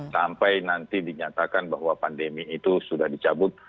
sampai nanti dinyatakan bahwa pandemi itu sudah dicabut